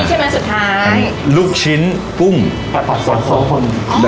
มีใช่ไหมอ่า